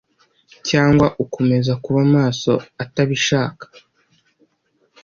Cyangwa ukomeza kuba maso atabishaka